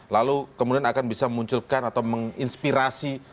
lalu kemudian akan bisa memunculkan atau menginspirasi